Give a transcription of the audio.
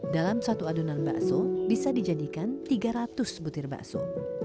dalam satu adonan bakso bisa dijadikan tiga ratus butir bakso